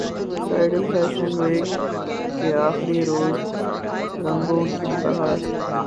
bridal fashion week کے اخری روز رنگوں کی بہار